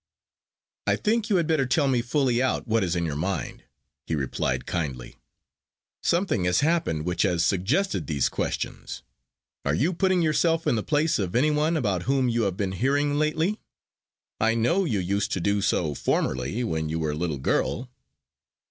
"I think you had better tell me fully out what is in your mind," he replied, kindly. "Something has happened which has suggested these questions. Are you putting yourself in the place of any one about whom you have been hearing lately? I know you used to do so formerly, when you were a little girl."